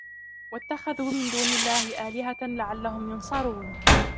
وَاتَّخَذُوا مِنْ دُونِ اللَّهِ آلِهَةً لَعَلَّهُمْ يُنْصَرُونَ